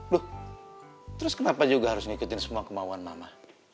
loh terus kenapa juga harus ngikutin semua kemauan mama